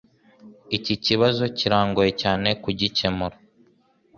Iki kibazo kirangoye cyane kugikemura.